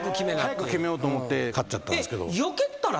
早く決めようと思って勝っちゃったんですけど。